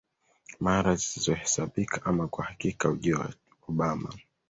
mara zisizohesabika Ama kwa hakika ujio wa Obama